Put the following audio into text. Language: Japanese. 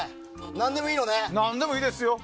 何でもいいですよ。